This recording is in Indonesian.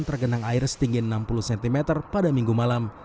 tergenang air setinggi enam puluh cm pada minggu malam